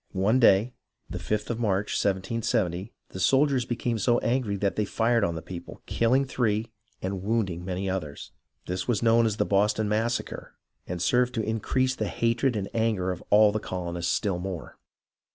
One day, the 5th of March, 1770, the soldiers became so angry that they fired on the people, kill ing three and wounding many others. This was known as the Boston Massacre, and served to increase the hatred and anger of all the colonists still more.